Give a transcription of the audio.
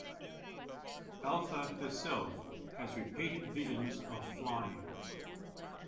Alpha herself has repeated visions of flying.